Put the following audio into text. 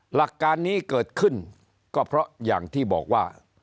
หลักการนี้เกิดขึ้นก็เพราะอย่างที่บอกว่า